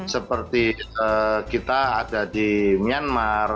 seperti kita ada di myanmar